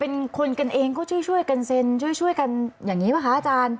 เป็นคนกันเองก็ช่วยกันเซ็นช่วยกันอย่างนี้ป่ะคะอาจารย์